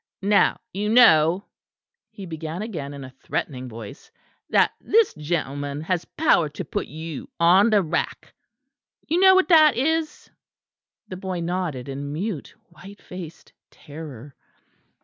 "Now you know," he began again in a threatening voice, "that this gentleman has power to put you on the rack; you know what that is?" The boy nodded in mute white faced terror.